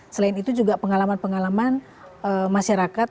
selain itu juga pengalaman pengalaman masyarakat